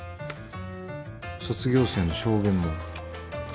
卒業生の証言も。